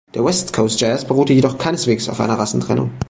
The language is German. Der West-Coast-Jazz beruhte jedoch keineswegs auf einer Rassentrennung.